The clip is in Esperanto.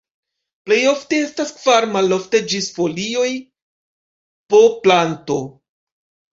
Plej ofte estas kvar, malofte ĝis folioj po planto.